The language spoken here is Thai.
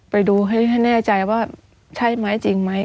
ไปดูให้แน่ใจว่าใช่ไหมจริงไหม